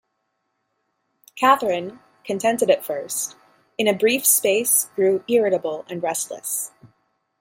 Catherine, contented at first, in a brief space grew irritable and restless.